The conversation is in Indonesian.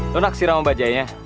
lo naksir sama mbak jaya nya